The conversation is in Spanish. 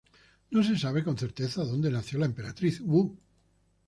No se sabe con certeza dónde nació la Emperatriz Wu.